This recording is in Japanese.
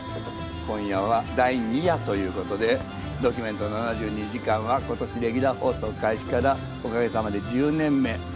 今夜は第２夜ということで「ドキュメント７２時間」は今年レギュラー放送開始からおかげさまで１０年目。